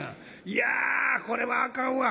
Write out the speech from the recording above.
「いやこれはあかんわ」。